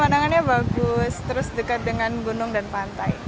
pemandangannya bagus terus dekat dengan gunung dan pantai